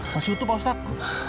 masih utuh pak ustadz